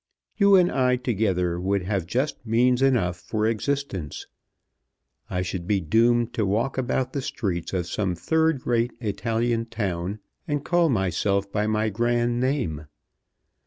You and I together would have just means enough for existence. I should be doomed to walk about the streets of some third rate Italian town, and call myself by my grand name.